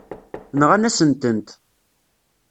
Nɣan-asen-tent.